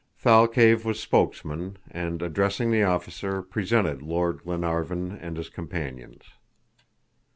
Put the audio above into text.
Thalcave was spokesman, and addressing the officer, presented Lord Glenarvan and his companions.